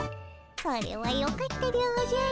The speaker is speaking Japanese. それはよかったでおじゃる。